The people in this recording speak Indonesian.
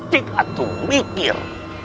tidak tuh mikir